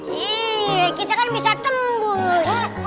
iya kita kan bisa tembus